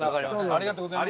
ありがとうございます。